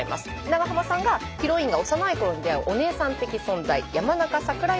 長濱さんがヒロインが幼いころに出会うお姉さん的存在山中さくら